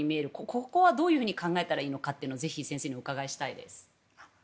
ここはどういうふうに考えたらいいのか、先生にぜひお伺いしたいです。